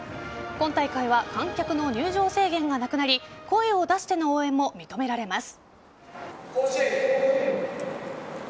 今大会は観客の入場制限がなくなり声を出しての応援も認められます。